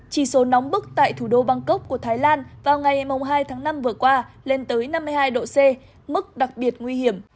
chỉ số nóng bức tại thủ đô bangkok của thái lan vào ngày hai tháng năm vừa qua lên tới năm mươi hai độ c mức đặc biệt nguy hiểm